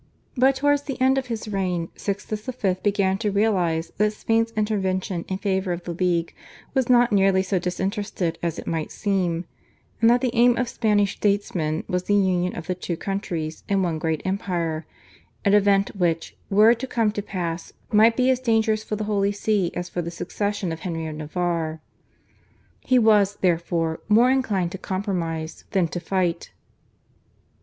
But towards the end of his reign Sixtus V. began to realise that Spain's intervention in favour of the League was not nearly so disinterested as it might seem, and that the aim of Spanish statesmen was the union of the two countries in one great empire, an event which, were it to come to pass, might be as dangerous for the Holy See as for the succession of Henry of Navarre. He was, therefore, more inclined to compromise than to fight.